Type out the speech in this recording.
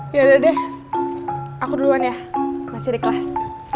yaudah deh aku duluan ya masih di kelas